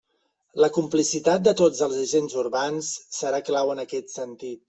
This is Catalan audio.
La complicitat de tots els agents urbans serà clau en aquest sentit.